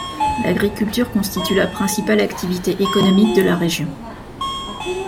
L'agriculture constitue la principale activité économique de la région.